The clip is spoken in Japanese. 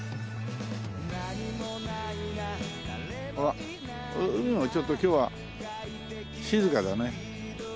ほら海もちょっと今日は静かだね。